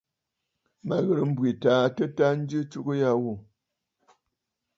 Mə ghɨ̀rə̀ m̀bwitə aa tɨta njɨ atsugə ya ghu.